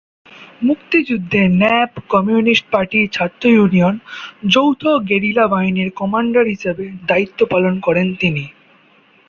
মুক্তিযুদ্ধে ন্যাপ-কমিউনিস্ট পার্টি-ছাত্র ইউনিয়ন যৌথ গেরিলা বাহিনীর কমান্ডার হিসাবে দায়িত্ব পালন করেন তিনি।